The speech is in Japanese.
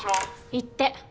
行って。